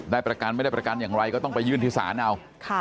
ได้ประกันไหมก็ต้องไปยื่นทฤษานเอา